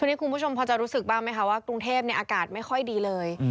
วันนี้คุณผู้ชมพอจะรู้สึกบ้างไหมคะว่ากรุงเทพอากาศไม่ค่อยดีเลย